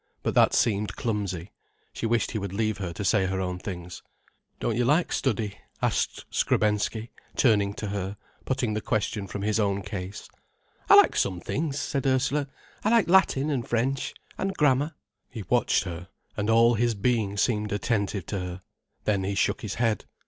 But that seemed clumsy. She wished he would leave her to say her own things. "Don't you like study?" asked Skrebensky, turning to her, putting the question from his own case. "I like some things," said Ursula. "I like Latin and French—and grammar." He watched her, and all his being seemed attentive to her, then he shook his head.